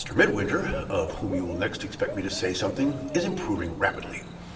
Midwinter, of whom you will next expect me to say something, is improving rapidly.